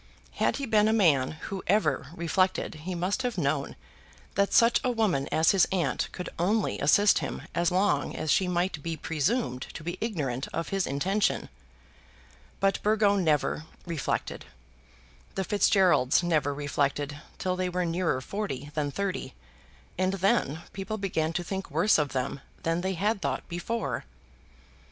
Had he been a man who ever reflected he must have known that such a woman as his aunt could only assist him as long as she might be presumed to be ignorant of his intention. But Burgo never reflected. The Fitzgeralds never reflected till they were nearer forty than thirty, and then people began to think worse of them than they had thought before.